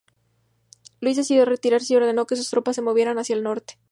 Luis decidió retirarse y ordenó que sus tropas se movieran hacia el norte.